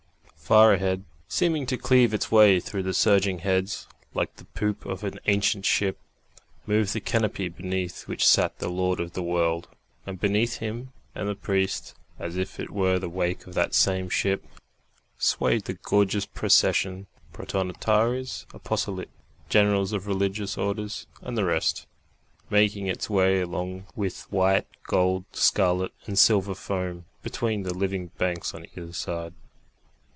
Far ahead, seeming to cleave its way through the surging heads, like the poop of an ancient ship, moved the canopy beneath which sat the Lord of the world, and between him and the priest, as if it were the wake of that same ship, swayed the gorgeous procession Protonotaries Apostolic, Generals of Religious Orders and the rest making its way along with white, gold, scarlet and silver foam between the living banks on either side.